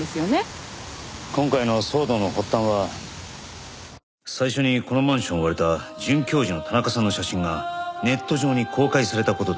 今回の騒動の発端は最初にこのマンションを追われた准教授の田中さんの写真がネット上に公開された事でした。